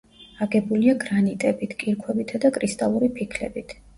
აგებულია გრანიტებით, კირქვებითა და კრისტალური ფიქლებით.